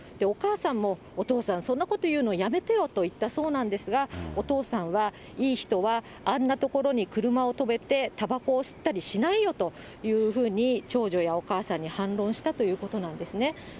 お母さんもお父さん、そんなこと言うのやめてよと言ったそうなんですが、お父さんはいい人はあんな所に車を止めて、たばこを吸ったりしないよというふうに長女やお母さんに反論したということなんですね。